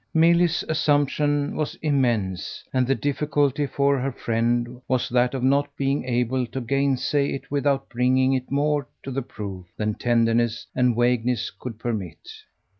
Milly's assumption was immense, and the difficulty for her friend was that of not being able to gainsay it without bringing it more to the proof than tenderness and vagueness could permit.